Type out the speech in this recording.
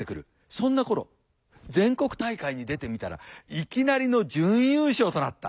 そんな頃全国大会に出てみたらいきなりの準優勝となった。